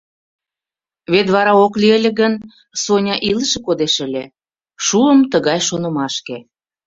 Вет вара ок лий ыле гын, Соня илыше кодеш ыле – шуым тыгай шонымашке.